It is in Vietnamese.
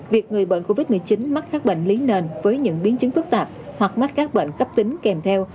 việc người bệnh covid một mươi chín mắc các bệnh lý nền với những biến chứng phức tạp hoặc mắc các bệnh cấp tính kèm theo